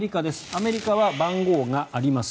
アメリカは番号があります。